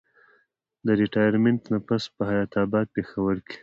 د ريټائرمنټ نه پس پۀ حيات اباد پېښور کښې